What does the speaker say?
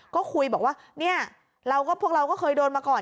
ก็คุยบอกว่าเนี่ยเราก็พวกเราก็เคยโดนมาก่อน